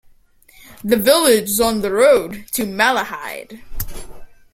The village is on the road to Malahide.